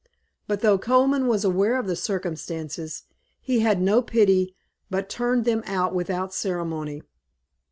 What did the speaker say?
But though Colman was aware of the circumstances, he had no pity; but turned them out without ceremony."